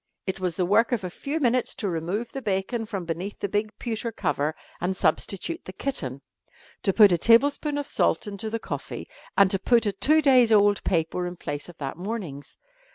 It was the work of a few minutes to remove the bacon from beneath the big pewter cover and substitute the kitten, to put a tablespoonful of salt into the coffee, and to put a two days' old paper in place of that morning's.